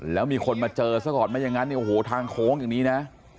แล้วมีคนมาเจอซะก่อนไม่อย่างนั้นเนี่ยโอ้โหทางโค้งอย่างนี้นะ